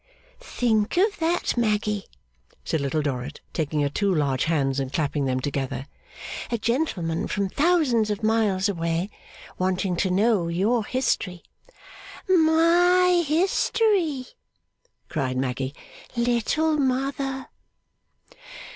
'Think of that, Maggy?' said Little Dorrit, taking her two large hands and clapping them together. 'A gentleman from thousands of miles away, wanting to know your history!' 'My history?' cried Maggy. 'Little mother.